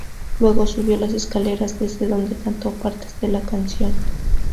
Luego, subió las escaleras, desde donde cantó partes de la canción.